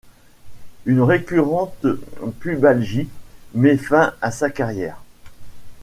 Une récurrente pubalgie met fin à sa carrière.